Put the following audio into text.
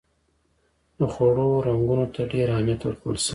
د خوړو رنګونو ته ډېر اهمیت ورکول شوی و.